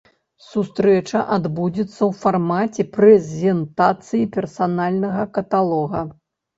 Сустрэча адбудзецца ў фармаце прэзентацыі персанальнага каталога.